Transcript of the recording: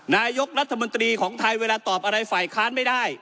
นายกรัฐมนตรีของไทยเวลาตอบอะไรฝ่ายค้านไม่ได้